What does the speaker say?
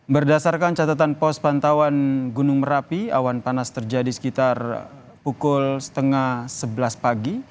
berdasarkan catatan pos pantauan gunung merapi awan panas terjadi sekitar pukul setengah sebelas pagi